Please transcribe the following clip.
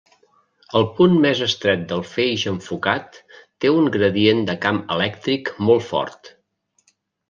El punt més estret del feix enfocat té un gradient de camp elèctric molt fort.